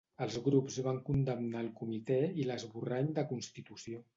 Els grups van condemnar el Comitè i l'esborrany de constitució.